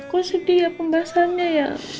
aku sedih ya pembahasannya ya